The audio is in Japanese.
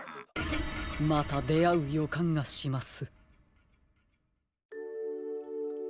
またであうよかんがします。